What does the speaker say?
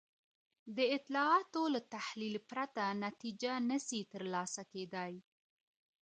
د اطلاعاتو له تحلیل پرته نتیجه نه سي ترلاسه کيدای.